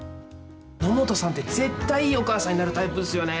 のもとさんって、絶対いいお母さんになるタイプですよね。